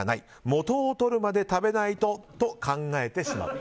元を取るまで食べないとと考えてしまう。